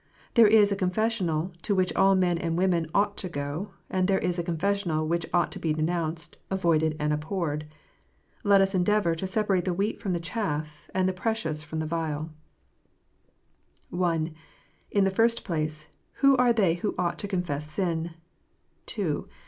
There is a confessional to which all men and women ought to go, and there is a confessional which ought to be denounced, avoided, and abhorred. Let us endeavour to separate the wheat from the chaff, and the precious from the vile. I. In the first place, Who are they who ought to confess sin ? II.